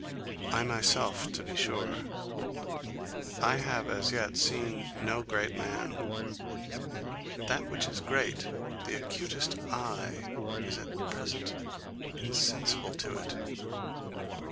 I myself, to be sure I have as yet seen no great man. That which is great, the acutest eye is at present insensible to it.